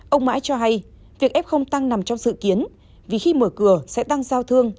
ông mãi cho hay việc f tăng nằm trong dự kiến vì khi mở cửa sẽ tăng giao thương